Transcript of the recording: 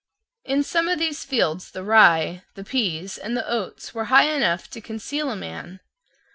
In some of these fields the rye, the pease, and the oats were high enough to conceal a man.